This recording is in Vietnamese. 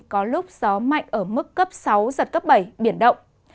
có lúc gió mạnh ở mức cấp sáu giật cấp bảy biển động